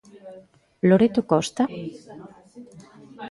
Loreto Costa?